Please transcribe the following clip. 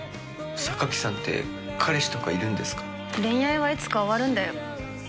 榊さんって、彼氏とかいるん恋愛はいつか終わるんだよ。